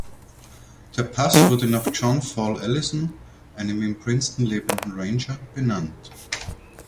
Der Pass wurde nach John Fall Allison, einem in Princeton lebenden Rancher, benannt.